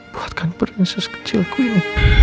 buatkan prinses kecilku ini